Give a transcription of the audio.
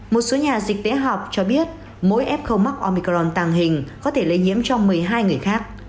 một số nhà dịch tế học cho biết mỗi f mắc omicron tàng hình có thể lây nhiễm cho một mươi hai người khác